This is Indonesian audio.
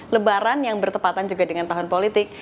lebaran yang bertepatan juga dengan tahun politik